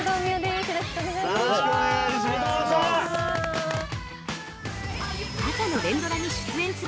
よろしくお願いします。